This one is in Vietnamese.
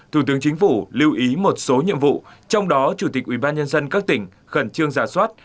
thủ tướng chính phủ lưu ý một số nhiệm vụ trong đó chủ tịch ubnd các tỉnh khẩn trương giả soát